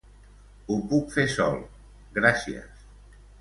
Ho puc fer sol, gràcies.